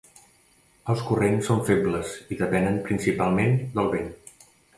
Els corrents són febles i depenen principalment del vent.